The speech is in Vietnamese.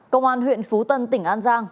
công an huyện phú tân tỉnh an giang